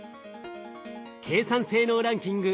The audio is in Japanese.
計算性能ランキング